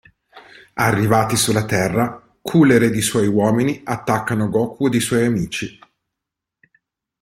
Arrivati sulla Terra, Cooler ed i suoi uomini attaccano Goku ed i suoi amici.